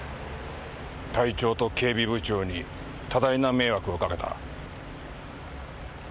隊長と警備部長に多大な迷惑をかけた。